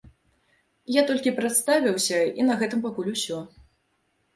Я толькі прадставіўся, і на гэтым пакуль усё.